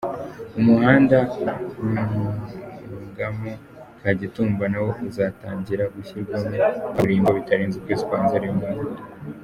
Umuhanda Ntungamo-Kagitumba na wo uzatangira gushyirwamo kaburimbo bitarenze ukwezi kwa Nzeri uyu mwaka.